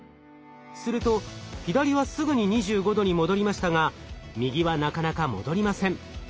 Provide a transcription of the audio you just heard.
すると左はすぐに２５℃に戻りましたが右はなかなか戻りません。